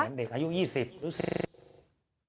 ก็เลยต้องมาไลฟ์ขายของแบบนี้เดี๋ยวดูบรรยากาศกันหน่อยนะคะ